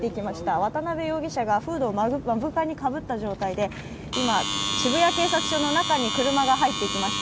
渡辺容疑者がフードを目深にかぶった状態で今、渋谷警察署の中に車が入っていきました。